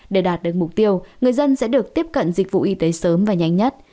để đạt được mục tiêu người dân sẽ được tiếp cận dịch vụ y tế sớm và nhanh nhất